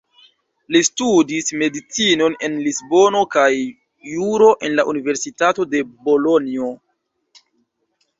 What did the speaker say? Li studis medicinon en Lisbono kaj juro en la Universitato de Bolonjo.